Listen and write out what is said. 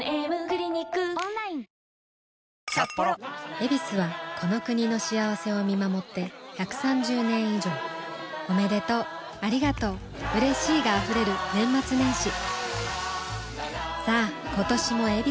「ヱビス」はこの国の幸せを見守って１３０年以上おめでとうありがとううれしいが溢れる年末年始さあ今年も「ヱビス」で